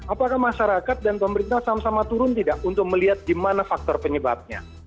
apakah masyarakat dan pemerintah sama sama turun tidak untuk melihat di mana faktor penyebabnya